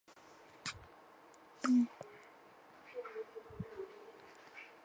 它常用于电镀。